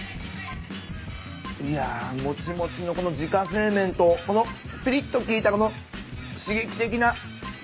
いやもちもちのこの自家製麺とこのぴりっと効いたこの刺激的な辛さが。